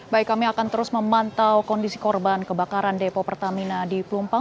baik kami akan terus memantau kondisi korban kebakaran depo pertamina di pelumpang